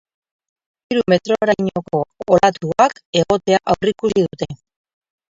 Hiru metrorainoko olatuak egotea aurreikusi dute.